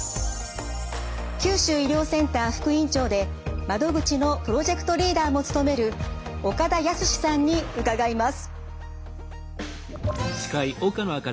九州医療センター副院長で窓口のプロジェクトリーダーも務める岡田靖さんに伺います。